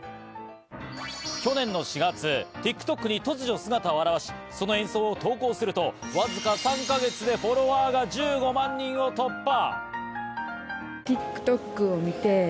去年の４月、ＴｉｋＴｏｋに突如姿を現し、その演奏を投稿するとわずか３か月でフォロワーが１５万人を突破。